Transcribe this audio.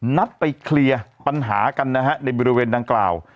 นัดไปเคลียร์ปัญหากันนะฮะในบริเวณดังกล่าว